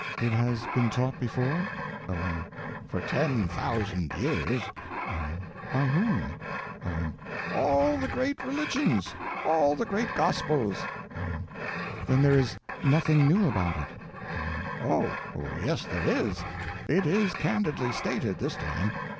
Y.M. It has been taught before? O.M. For ten thousand years. Y.M. By whom? O.M. All the great religions—all the great gospels. Y.M. Then there is nothing new about it? O.M. Oh yes, there is. It is candidly stated, this time.